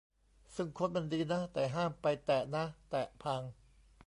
ซึ่งโค้ดมันดีนะ แต่ห้ามไปแตะนะ แตะพัง